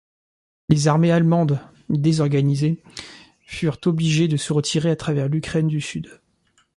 Les armées allemandes, désorganisées, furent obligées de se retirer à travers l'Ukraine du sud.